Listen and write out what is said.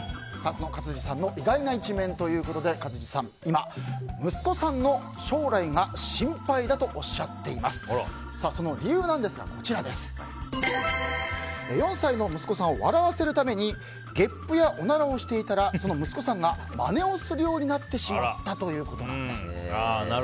勝地さんの意外な一面ということで勝地さんは今息子の将来が心配だと４歳の息子さんを笑わせるためにげっぷやおならをしていたらその息子さんがまねをするようになってしまったということです。